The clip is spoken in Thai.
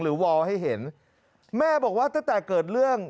วอลให้เห็นแม่บอกว่าตั้งแต่เกิดเรื่อง